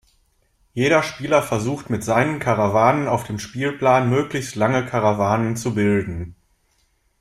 Jeder Spieler versucht mit seinen Karawanen auf dem Spielplan, möglichst lange Karawanen zu bilden.